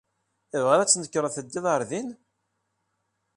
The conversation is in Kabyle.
Tebɣiḍ ad tnekṛeḍ teddiḍ ɣer din?